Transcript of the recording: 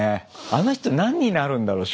あの人何になるんだろう？